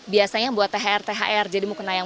biasanya buat thr thr jadi mukena yang